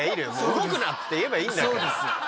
「動くな」って言えばいいんだから。